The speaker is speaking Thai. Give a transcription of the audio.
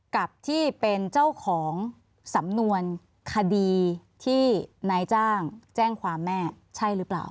กับที่เป็นเจ้าของสำนวนคดีที่นายจ้างแจ้งความแม่ใช่หรือเปล่า